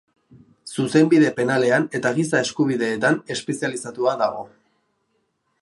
Zuzenbide Penalean eta Giza Eskubideetan espezializatua dago.